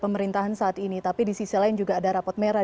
pemerintahan saat ini tapi di sisi lain juga ada rapot merah